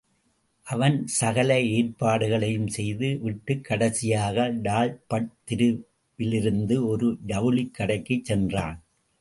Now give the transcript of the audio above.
அவன் சகல ஏற்பாடுகளையும் செய்து விட்டுக் கடைசியாக டால்பட் தெரு விலிருந்த ஒரு ஜவுளிக் கடைக்குச் சென்றான்.